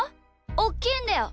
おっきいんだよ。